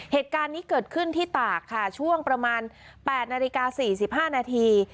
เหตุการณ์นี้เกิดขึ้นที่ตากค่ะช่วงประมาณ๘นาฬิกา๔๕นาที